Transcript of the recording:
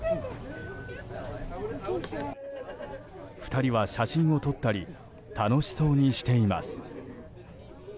２人は写真を撮ったり楽しそうにしています。